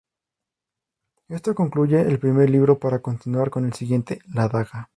Esto concluye el primer libro para continuar con el siguiente, "La daga".